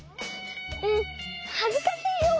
うんはずかしいよ。